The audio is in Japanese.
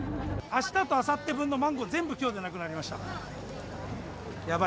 あしたとあさって分のマンゴー、全部きょうでなくなりました。